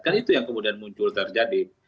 kan itu yang kemudian muncul terjadi